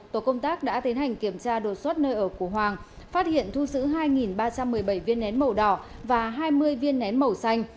tổ công tác đã tiến hành kiểm tra đột xuất nơi ở của hoàng phát hiện thu giữ hai ba trăm một mươi bảy viên nén màu đỏ và hai mươi viên nén màu xanh